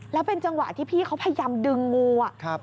แล้วเป็นจังหวะที่พี่เขาพยายามดึงงูอ่ะ